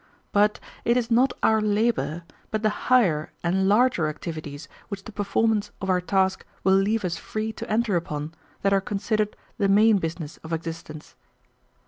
But it is not our labor, but the higher and larger activities which the performance of our task will leave us free to enter upon, that are considered the main business of existence.